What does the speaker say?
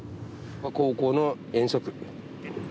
高校の遠足。